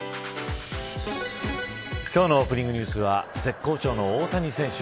今日のオープニングニュースは絶好調の大谷選手。